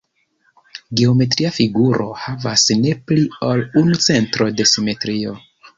Geometria figuro havas ne pli ol unu centro de simetrio.